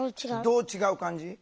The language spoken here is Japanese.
どう違う感じ？